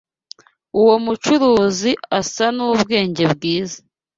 Uwo mucuruzi asa nubwenge bwiza.